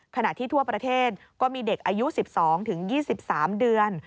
ขณะที่ทั่วประเทศก็มีเด็กอายุ๑๒๒๓เดือน